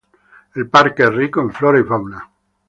El parque es rico en flora y fauna.